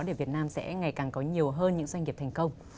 để việt nam sẽ ngày càng có nhiều hơn những doanh nghiệp thành công